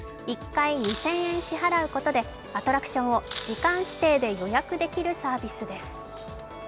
１回２０００円支払うことでアトラクションを時間指定で予約できるサービスです。